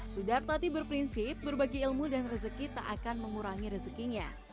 sudartati berprinsip berbagi ilmu dan rezeki tak akan mengurangi rezekinya